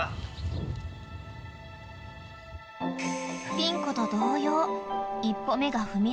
［ピン子と同様］